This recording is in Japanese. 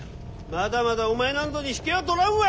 まだまだお前なんぞに引けは取らんわ！